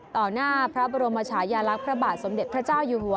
หน้าพระบรมชายาลักษณ์พระบาทสมเด็จพระเจ้าอยู่หัว